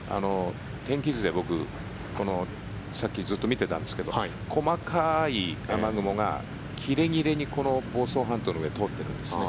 天気図で僕さっきずっと見ていたんですけど細かい雨雲が切れ切れに房総半島の上を通っているんですね。